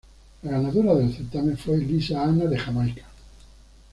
La ganadora del certamen fue Lisa Hanna de Jamaica.